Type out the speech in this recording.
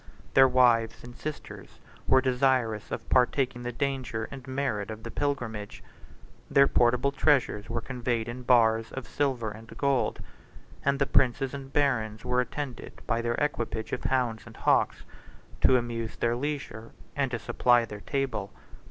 Their wives and sisters were desirous of partaking the danger and merit of the pilgrimage: their portable treasures were conveyed in bars of silver and gold; and the princes and barons were attended by their equipage of hounds and hawks to amuse their leisure and to supply their table.